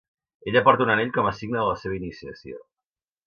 Ella porta un anell com a signe de la seva iniciació.